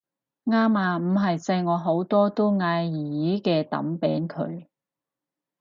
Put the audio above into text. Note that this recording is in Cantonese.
啱啊唔係細我好多都嗌姨姨嘅揼扁佢